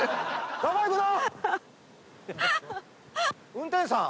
・運転手さん。